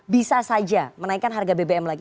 bisa saja menaikkan harga bbm lagi